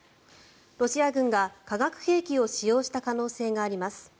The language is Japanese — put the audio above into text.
ロシア軍が化学兵器を使用した可能性があります。